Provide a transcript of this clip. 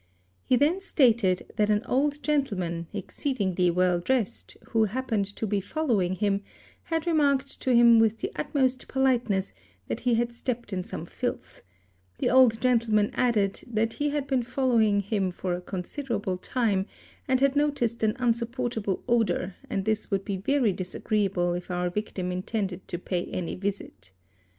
He then stated that an old gentleman, exceedingly well dressed, who happened to be following him, had remarked to him with the utmost politeness, that he had stepped ~ in some filth; the old gentleman added that he had been following him 7 for a considerable time and had noticed an unsupportable odour and this would be very disagreeable if our victim intended to pay any visit.